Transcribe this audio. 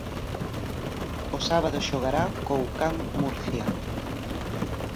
O sábado xogará co Ucam Murcia.